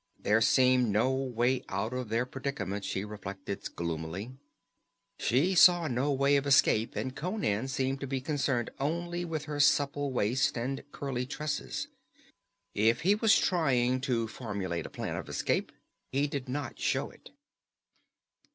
There seemed no way out of their predicament, she reflected gloomily. She saw no way of escape, and Conan seemed to be concerned only with her supple waist and curly tresses. If he was trying to formulate a plan of escape, he did not show it.